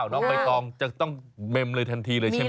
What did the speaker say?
น้องใบตองจะต้องเมมเลยทันทีเลยใช่ไหม